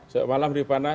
selamat malam rivana